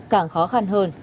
càng khó khăn hơn